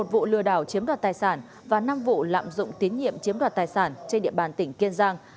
một vụ lừa đảo chiếm đoạt tài sản và năm vụ lạm dụng tín nhiệm chiếm đoạt tài sản trên địa bàn tỉnh kiên giang